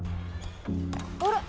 あれ？